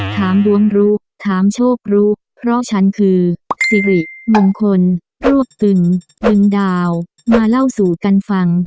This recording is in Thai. ถามดวงรู้ถามโชครู้เพราะฉันคือสิริมงคลรวบตึงดึงดาวมาเล่าสู่กันฟัง